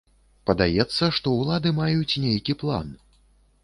Падаецца, што ўлады маюць нейкі план.